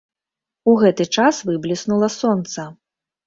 У гэты час выбліснула сонца.